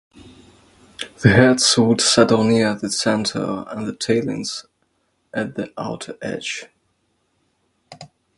The "heads" would settle near the centre and the "tailings" at the outer edge.